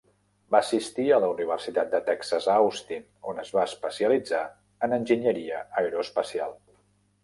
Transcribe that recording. Va assistir a la Universitat de Texas a Austin, on es va especialitzar en enginyeria aeroespacial.